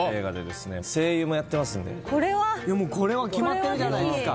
これは決まってるじゃないですか。